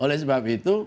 oleh sebab itu